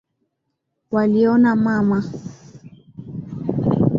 Waliona mama.